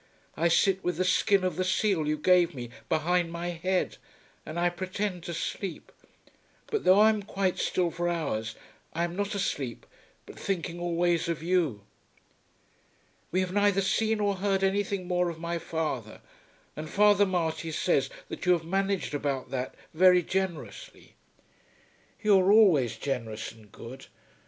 I sit with the skin of the seal you gave me behind my head, and I pretend to sleep. But though I am quite still for hours I am not asleep, but thinking always of you. We have neither seen or heard anything more of my father, and Father Marty says that you have managed about that very generously. You are always generous and good.